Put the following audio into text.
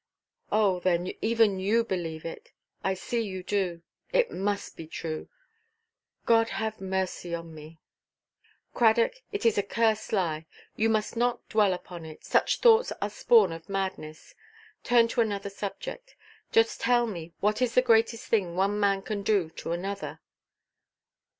"Oh, then, even you believe it; I see you do! It must be true. God have mercy upon me!" "Cradock, it is a cursed lie; you must not dwell upon it. Such thoughts are spawn of madness; turn to another subject. Just tell me what is the greatest thing one man can do to another?"